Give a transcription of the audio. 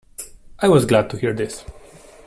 I was glad to hear this.